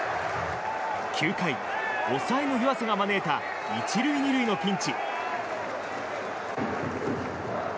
９回、抑えの湯浅が招いた１塁２塁のピンチ。